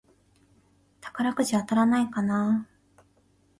宝くじ当たらないかなぁ